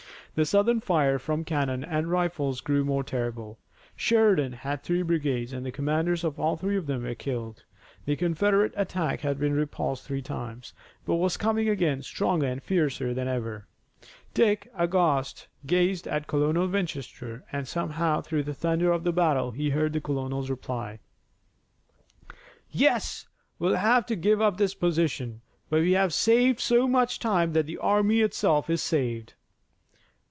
The Southern fire from cannon and rifles grew more terrible. Sheridan had three brigades and the commanders of all three of them were killed. The Confederate attack had been repulsed three times, but it was coming again, stronger and fiercer than ever. Dick, aghast, gazed at Colonel Winchester and somehow through the thunder of the battle he heard the colonel's reply: "Yes, we'll have to give up this position, but we have saved so much time that the army itself is saved.